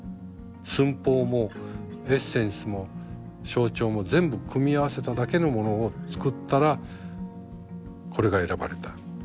寸法もエッセンスも象徴も全部組み合わせただけのものを作ったらこれが選ばれた。